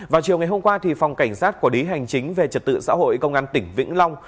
vào chiều ngày hôm qua phòng cảnh sát quản lý hành chính về trật tự xã hội công an tỉnh vĩnh long